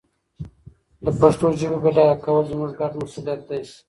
د پښتو ژبي بډایه کول زموږ ګډ مسؤلیت دی.